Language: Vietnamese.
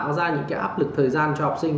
những cái áp lực thời gian cho học sinh